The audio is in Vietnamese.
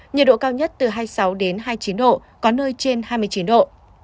nhiệt độ cao nhất từ hai mươi sáu hai mươi chín độ có nơi trên hai mươi chín độ